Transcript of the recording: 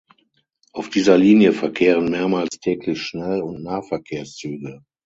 Auf dieser Linie verkehren mehrmals täglich Schnell- und Nahverkehrszüge.